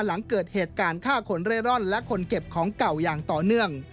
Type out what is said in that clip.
หลังเกิดเหตุการณ์ฆ่าคนเร่ร่อนและคนเก็บของเก่าอย่างต่อเนื่อง